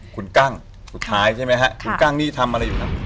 คุณกั้งสุดท้ายใช่ไหมฮะคุณกั้งนี่ทำอะไรอยู่ครับ